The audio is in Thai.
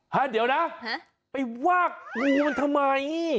ฮะเดี๋ยวนะไปว่างูมันทำไม